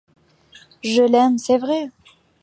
Je l’aime, c’est vrai.